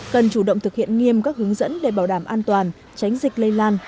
cần chủ động thực hiện nghiêm các hướng dẫn để bảo đảm an toàn tránh dịch lây lan